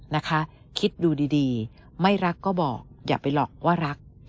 นะคะคิดดูดีไม่รักก็บอกอย่าไปหลอกว่ารัก